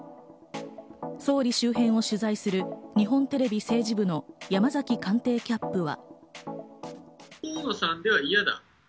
総理周辺を取材する日本テレビ政治部の山崎官邸キャップは。